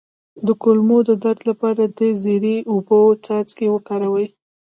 د کولمو د درد لپاره د زیرې او اوبو څاڅکي وکاروئ